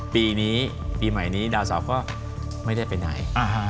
ปีนี้ปีใหม่นี้ดาวเสาร์ก็ไม่ได้ไปไหน